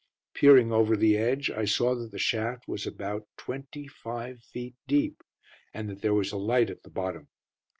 Peering over the edge, I saw that the shaft was about twenty five feet deep, and that there was a light at the bottom.